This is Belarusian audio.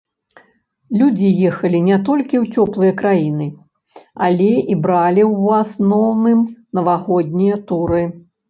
Людзі ехалі не толькі ў цёплыя краіны, але і бралі ў асноўным навагоднія туры.